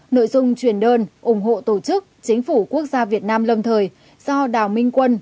nội dung truyền đơn ủng hộ tổ chức chính phủ quốc gia việt nam lâm thời do đào minh quân